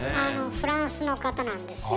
フランスの方なんですよ。